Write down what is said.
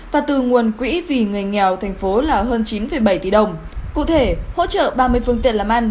và từ nguồn quỹ vì người nghèo thành phố là hơn chín bảy tỷ đồng cụ thể hỗ trợ ba mươi phương tiện làm ăn